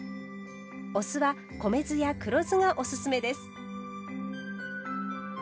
お酢は米酢や黒酢がおすすめです。